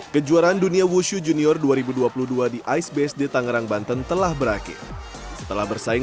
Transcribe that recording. kejuaraan dunia wushu junior dua ribu dua puluh dua di ice based tangerang banten telah berakhir setelah bersaing